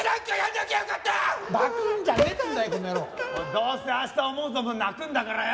どうせ明日思う存分泣くんだからよ。